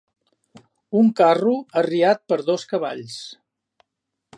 Un carro arriat per dos cavalls.